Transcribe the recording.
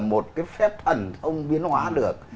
một cái phép thần thông biến hóa được